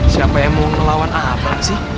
siapa yang mau ngelawan apa sih